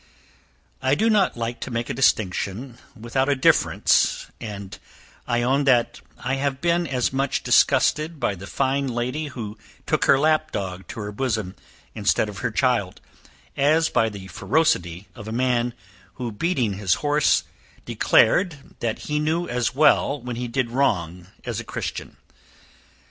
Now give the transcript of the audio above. I do not like to make a distinction without a difference, and I own that I have been as much disgusted by the fine lady who took her lap dog to her bosom, instead of her child; as by the ferocity of a man, who, beating his horse, declared, that he knew as well when he did wrong as a Christian.